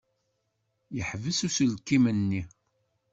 Yeḥbes uselkim-nni.